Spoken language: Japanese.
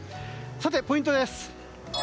ポイントです。